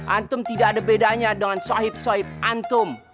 antum tidak ada bedanya dengan sohib sohib antum